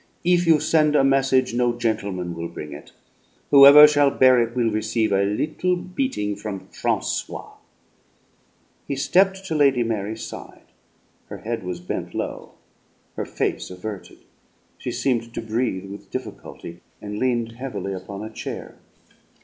"If you send a message no gentleman will bring it. Whoever shall bear it will receive a little beating from Francois." He stepped to Lady Mary's side. Her head was bent low, her face averted. She seemed to breathe with difficulty, and leaned heavily upon a chair.